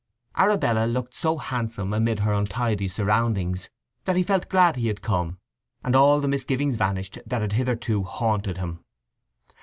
Arabella looked so handsome amid her untidy surroundings that he felt glad he had come, and all the misgivings vanished that had hitherto haunted him.